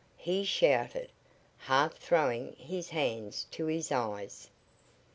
he shouted, half throwing his hands to his eyes.